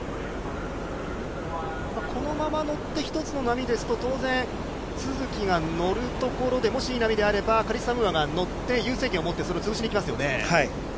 このまま乗って一つの波ですと、当然都筑が乗るところで、もしいい波であれば、カリッサ・ムーアが乗って優先権を持って、つぶしに行きますよね。